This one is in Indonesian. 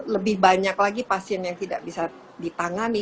lebih banyak lagi pasien yang tidak bisa ditangani